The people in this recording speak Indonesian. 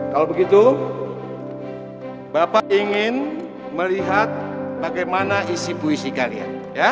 kalau begitu bapak ingin melihat bagaimana isi puisi kalian